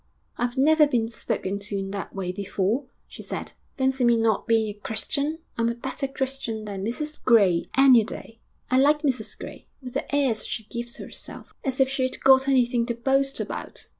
'I've never been spoken to in that way before,' she said. 'Fancy me not being a Christian! I'm a better Christian than Mrs Gray, any day. I like Mrs Gray, with the airs she gives herself as if she'd got anything to boast about!...